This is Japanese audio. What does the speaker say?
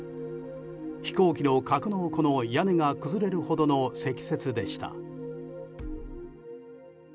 飛行機の格納庫の屋根が崩れるほどの積雪でした。